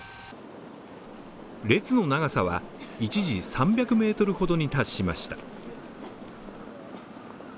列の長さは一時３００ｍほどに達しました。